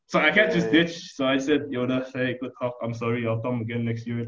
so i can t just ditch so i said yaudah saya ikut hawk i m sorry i ll come again next year